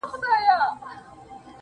چاته يادي سي كيسې په خـامـوشۍ كــي.